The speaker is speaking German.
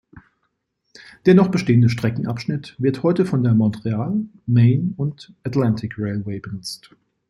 Der noch bestehende Streckenabschnitt wird heute von der Montreal, Maine and Atlantic Railway benutzt.